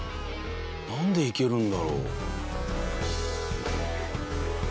なんでいけるんだろう？